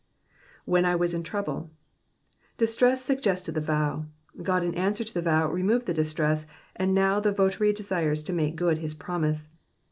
*' When I was in trouble,'''^ Distress sug gested the vow ; God in answer to the vow removed the distress, and t»ow the votary desires to make good his promise.